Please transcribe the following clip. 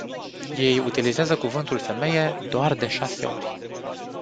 Ei utilizează cuvântul "femeie” doar de șase ori.